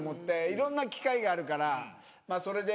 いろんな機械があるからそれでこう。